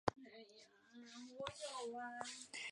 张瑞竹亦是新兴宗教山达基教知名教徒之一。